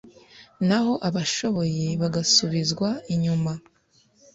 naho abashoboye bagasubizwa inyuma